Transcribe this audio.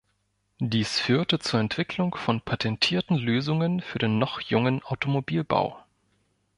Dies führte zur Entwicklung von patentierten Lösungen für den noch jungen Automobilbau.